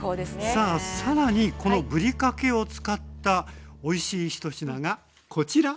さあ更にこのぶりかけを使ったおいしいひと品がこちら。